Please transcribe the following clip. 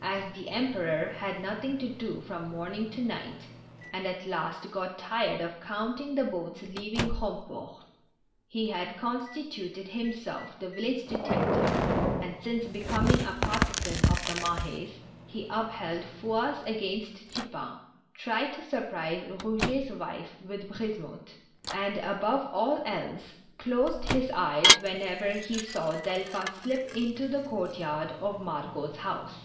As the Em THE MAHES AND THE FLOCHES. 205 peror had nothing to do from morning to night, and at last got tired of counting the boats leaving Grandport, he had constituted himself the village detective, and, since becoming a partisan of the Mahes, he upheld Fouasse against Tupain, tried to surprise Eouget's wife with Brisemotte, and, above all else, closed his eyes whenever he saw Delphin slip into the court yard of Mar got's house.